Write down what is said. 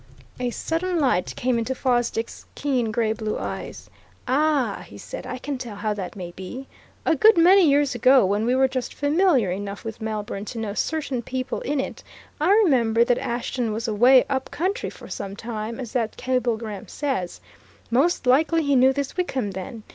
A sudden light came into Fosdick's keen grey blue eyes. "Ah," he said. "I can tell how that may be. A good many years ago, when we were just familiar enough with Melbourne to know certain people in it, I remember that Ashton was away up country for some time as that cablegram says. Most likely he knew this Wickham then.